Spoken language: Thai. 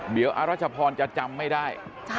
เดี๋ยวอรัชพรจะจำไม่ได้